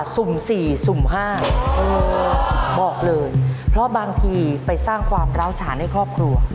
สุ่ม๔สุ่ม๕บอกเลยเพราะบางทีไปสร้างความร้าวฉานให้ครอบครัว